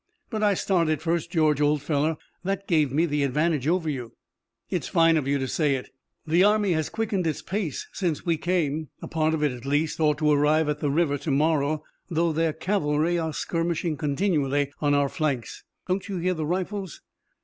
"But I started first, George, old fellow. That gave me the advantage over you." "It's fine of you to say it. The army has quickened its pace since we came. A part of it, at least, ought to arrive at the river to morrow, though their cavalry are skirmishing continually on our flanks. Don't you hear the rifles?"